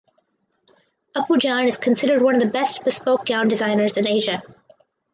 Apu Jan is considered one of the best bespoke gown designers in Asia.